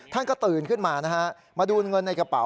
ท่านก็ตื่นขึ้นมานะฮะมาดูเงินในกระเป๋า